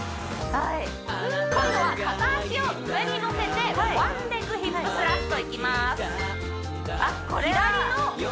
今度は片足を上に乗せてワンレッグヒップスラストいきます